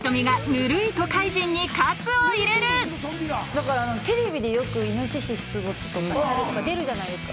だからテレビでよくイノシシ出没とかサルとか出るじゃないですか。